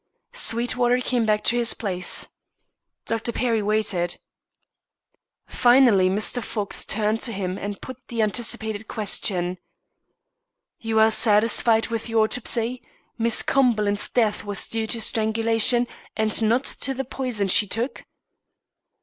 Sweetwater came back to his place. Dr. Perry waited. Finally Mr. Fox turned to him and put the anticipated question: "You are satisfied with your autopsy? Miss Cumberland's death was due to strangulation and not to the poison she took?"